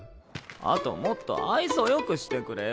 あともっと愛想良くしてくれよ。